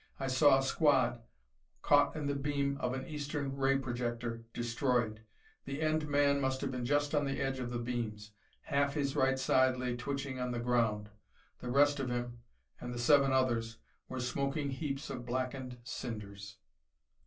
I saw a squad, caught in the beam of an Eastern ray projector, destroyed. The end man must have been just on the edge of the beams half his right side lay twitching on the ground. The rest of him, and the seven others, were smoking heaps of blackened cinders.